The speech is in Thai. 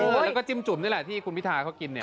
แล้วก็จิ้มจุ่มนี่แหละที่คุณพิทาเขากินเนี่ย